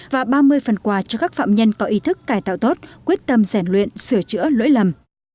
và ba mươi phần quà cho các phạm nhân có ý thức cải tạo tốt quyết tâm giản luyện sửa chữa lỗi lầm